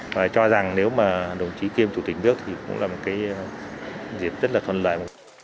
và cho rằng nếu mà đồng chí kiêm chủ tịch nước thì cũng là một cái dịp rất là thuận lợi